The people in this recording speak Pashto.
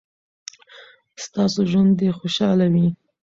ستاسو ژوند دې خوشحاله وي.